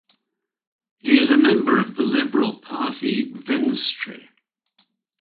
He is a member of the liberal party "Venstre".